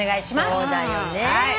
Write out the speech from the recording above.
そうだよね。